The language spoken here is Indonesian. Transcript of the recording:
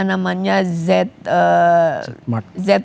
mata mata setiap plihan azred